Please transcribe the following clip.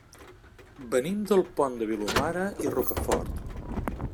Venim del Pont de Vilomara i Rocafort.